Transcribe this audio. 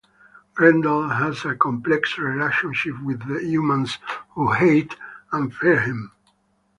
Grendel has a complex relationship with the humans who hate and fear him.